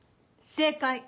正解。